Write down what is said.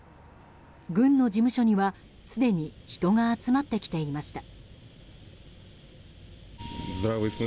軍の事務所には、すでに人が集まってきていました。